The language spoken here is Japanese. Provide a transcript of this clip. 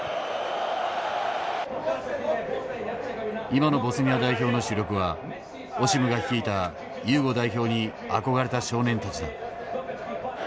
今のボスニア代表の主力はオシムが率いたユーゴ代表に憧れた少年たちだ。